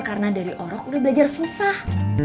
karena dari orang sudah belajar susah